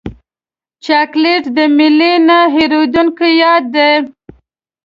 چاکلېټ د میلې نه هېرېدونکی یاد دی.